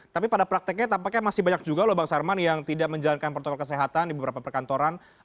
tapi pada prakteknya tampaknya masih banyak juga loh bang sarman yang tidak menjalankan protokol kesehatan di beberapa perkantoran